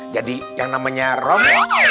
jadi yang namanya rom